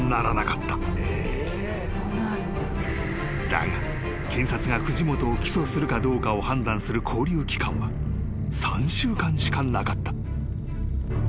［だが検察が藤本を起訴するかどうかを判断する勾留期間は３週間しかなかった］